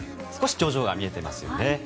少し頂上が見えていますよね。